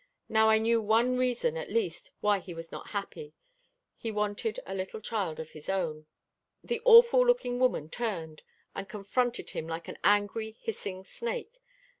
Now I knew one reason at least, why he was not happy. He wanted a little child of his own. The awful looking woman turned, and confronted him like an angry, hissing snake.